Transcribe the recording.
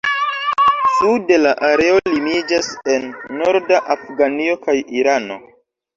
Sude la areo limiĝas en norda Afganio kaj Irano.